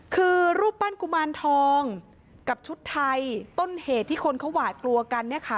คือรูปปั้นกุมารทองกับชุดไทยต้นเหตุที่คนเขาหวาดกลัวกันเนี่ยค่ะ